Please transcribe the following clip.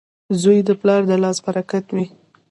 • زوی د پلار د لاس برکت وي.